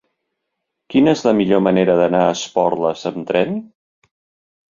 Quina és la millor manera d'anar a Esporles amb tren?